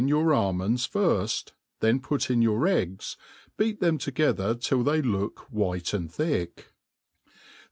your almonds iirft, then put in your eggs, beat them together till they look white and thick; then.